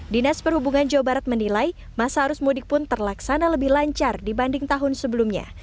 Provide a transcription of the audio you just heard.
dinas perhubungan jawa barat menilai masa arus mudik pun terlaksana lebih lancar dibanding tahun sebelumnya